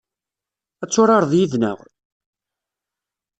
Ad turareḍ yid-neɣ?